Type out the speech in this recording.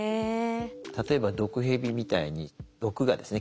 例えば毒ヘビみたいに毒牙ですね